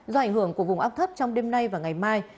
do ảnh hưởng của vùng áp thấp trong đêm nay và ngày mai